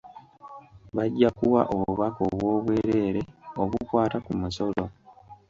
Bajja kuwa obubaka obw'obwereere obukwata ku musolo.